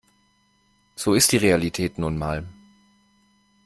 So ist die Realität nun mal.